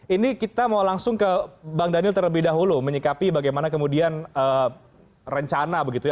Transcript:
ini kita mau langsung ke bang daniel terlebih dahulu menyikapi bagaimana kemudian rencana begitu ya